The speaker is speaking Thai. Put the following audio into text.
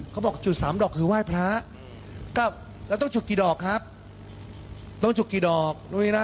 เขาบอกจุดสามดอกคือไหว้พระแล้วต้องจุดกี่ดอกครับต้องจุดกี่ดอก